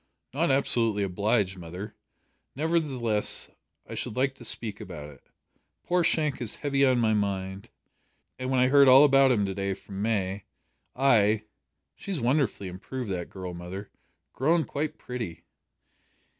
"Not absolutely obliged, mother. Nevertheless, I should like to speak about it. Poor Shank is heavy on my mind, and when I heard all about him to day from May, I . She's wonderfully improved, that girl, mother. Grown quite pretty?"